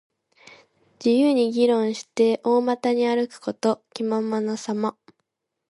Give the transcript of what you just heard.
自由に議論して、大股に歩くこと。気ままなさま。